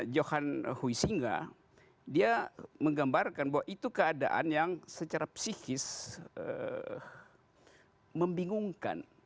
johan hui singa dia menggambarkan bahwa itu keadaan yang secara psikis membingungkan